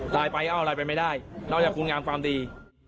ตายไปเอาอะไรไปไม่ได้นอกจากคุณงามความดี